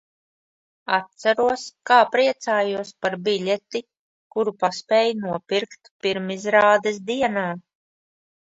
Atceros, kā priecājos par biļeti, kuru paspēju nopirkt pirmizrādes dienā.